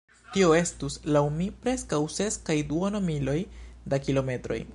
Tio estus, laŭ mi, preskaŭ ses kaj duono miloj da kilometroj.